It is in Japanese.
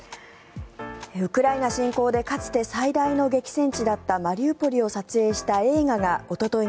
ウクライナ侵攻でかつて最大の激戦地だったマリウポリを撮影した映画がおととい